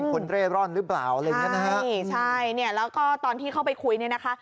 เป็นคนเรฟร่อนหรือเปล่าใช่ใช่เนี่ยแล้วก็ตอนที่เข้าไปคุยเนี่ยนะคะ